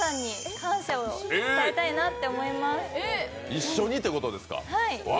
一緒にということですか。